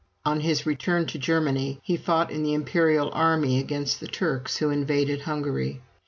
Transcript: On his return to Germany, he fought in the imperial army against the Turks, who invaded Hungary.